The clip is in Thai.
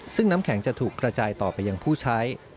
ซึ่งน้ำแข็งจะถูกกระจายต่อไปยังผู้ใช้